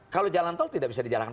kalau jalan tol tidak bisa dijalankan